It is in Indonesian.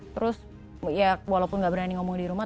terus walaupun tidak berani ngomong di rumah